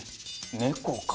猫か。